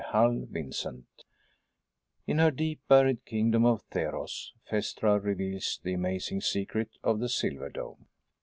_] [Sidenote: In her deep buried kingdom of Theros, Phaestra reveals the amazing secret of the Silver Dome.